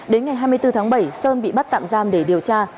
đến ngày hai mươi bốn tháng bảy sơn bị bắt tạm giam để điều tra